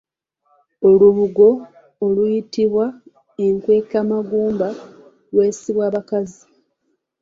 Olubugo oluyitibwa enkwekamagumba lwesibwa bakazi